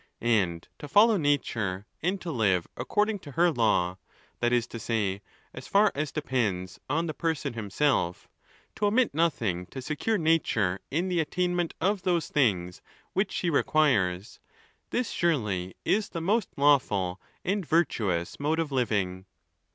And to follow nature, and to live according to her law, that is to say, as far as 'depends on the person himself, to omit nothing to secure nature in the attainment of. those things which she requires, this surely is the most lawful and. virtuous mode of living.